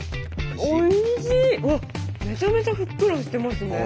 めちゃめちゃふっくらしてますね。